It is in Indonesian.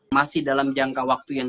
masih dalam jangka waktu yang